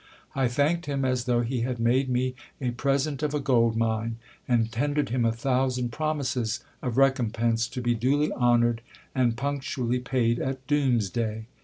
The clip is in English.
I thanked him as though he had made me a present of a gold mine, and tendered him a thousand promises of recom pense, to be duly honoured and punctually paid at doom's day.